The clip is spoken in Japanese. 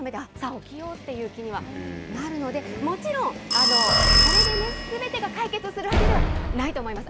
起きようという気にはなるので、もちろんこれでね、すべてが解決するわけではないと思います。